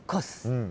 うん。